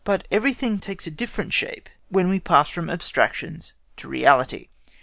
But everything takes a different shape when we pass from abstractions to reality.